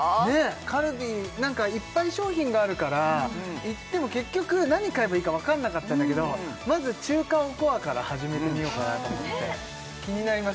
カルディ何かいっぱい商品があるから行っても結局何買えばいいか分かんなかったんだけどまず中華おこわから始めてみようかなと思って気になります